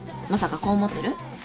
まさかこう思ってる？